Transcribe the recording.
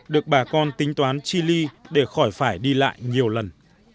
được bà con tính toán chi ly để khỏi phải đi lại nhiều lần